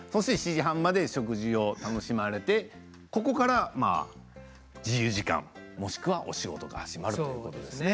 ７時半まで食事を楽しまれてここからは自由時間、もしくはお仕事が始まるということですね。